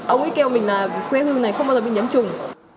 ông ấy kêu mình là khuê hương này không bao giờ bị nhấm trùng